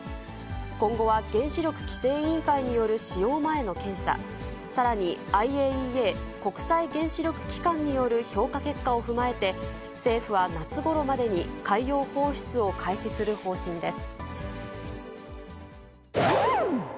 今後は原子力規制委員会による使用前の検査、さらにＩＡＥＡ・国際原子力機関による評価結果を踏まえて、政府は夏ごろまでに海洋放出を開始する方針です。